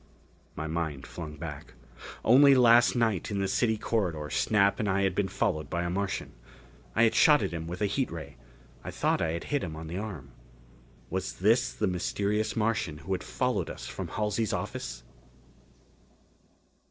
My mind flung back. Only last night in the city corridor, Snap and I had been followed by a Martian. I had shot at him with a heat ray: I thought I had hit him on the arm. Was this the mysterious Martian who had followed us from Halsey's office?